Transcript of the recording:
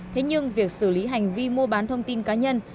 thế nhưng việc xử lý hành vi mua bán thông tin cá nhân